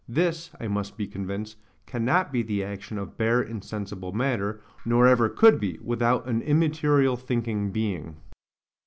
This, I must be convinced, cannot be the action of bare insensible matter; nor ever could be, without an immaterial thinking being.